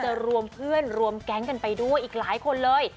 รวมเพื่อนรวมแก๊งกันไปด้วยอีกหลายคนเลย